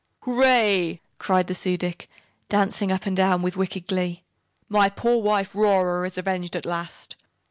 "Hooray!" cried the Su dic, dancing up and down with wicked glee. "My poor wife, Rora, is avenged at last.